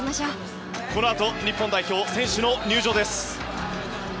このあと日本代表選手の入場です。